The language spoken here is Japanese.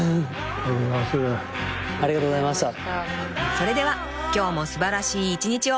［それでは今日もすばらしい一日を］